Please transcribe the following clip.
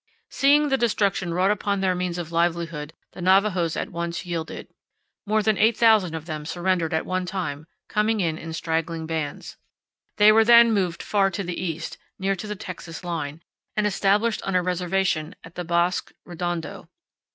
Seeing the destruction wrought upon their means of livelihood, the Navajos at once yielded. More than 8,000 of them surrendered at one time, coming in in straggling bands. They were then removed far to the east, near to the Texas line, and established on a reservation at the Bosque Redondo.